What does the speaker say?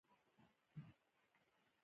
ورځ تر بلې مې ذهن سمېږي.